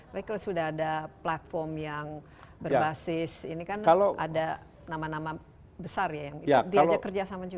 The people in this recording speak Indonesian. tapi kalau sudah ada platform yang berbasis ini kan ada nama nama besar ya yang diajak kerjasama juga